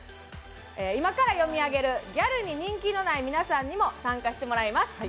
今から読み上げる、ギャルに人気のない皆さんにも参加してもらいます。